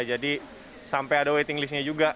jadi sampai ada waiting listnya juga